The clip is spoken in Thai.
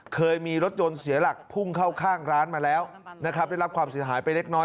เคยมีรถยนต์เสียหลักพุ่งเข้าข้างร้านมาแล้วนะครับได้รับความเสียหายไปเล็กน้อย